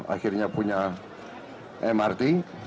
akhirnya punya mrt